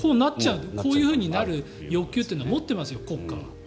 こういうふうになる欲求というのは持っていますよ、国家は。